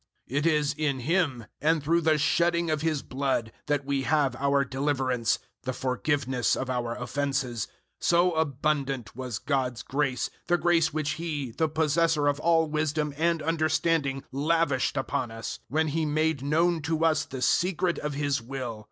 001:007 It is in Him, and through the shedding of His blood, that we have our deliverance the forgiveness of our offences so abundant was God's grace, 001:008 the grace which He, the possessor of all wisdom and understanding, lavished upon us, 001:009 when He made known to us the secret of His will.